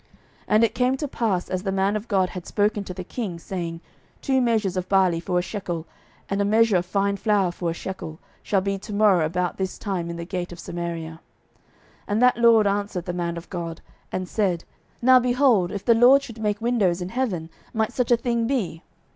12:007:018 And it came to pass as the man of God had spoken to the king, saying, Two measures of barley for a shekel, and a measure of fine flour for a shekel, shall be to morrow about this time in the gate of Samaria: 12:007:019 And that lord answered the man of God, and said, Now, behold, if the LORD should make windows in heaven, might such a thing be?